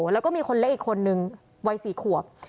แล้วก็มีคนเลขคนหนึ่งวัยสี่ขวบ